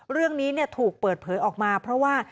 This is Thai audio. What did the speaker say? เรื่องนี้ถูกเปิดเผยออกมาเพราะว่า